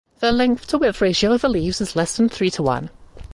The length to width ratio of the leaves is less than three to one.